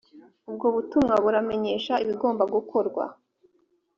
ubwo butumwa buramenyesha ibigomba gukorwa.